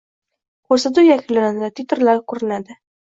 Ko‘rsatuv yakunlanadi, titrlar ko‘rinadi.